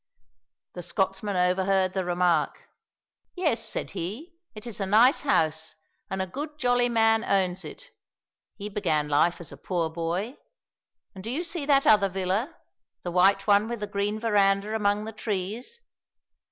The Scotsman overheard the remark. "Yes," said he, "it is a nice house, and a good jolly man owns it. He began life as a poor boy. And do you see that other villa the white one with the green veranda among the trees?